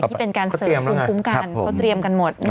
ทางนี้เป็นการเสริมภูมิคุ้มการ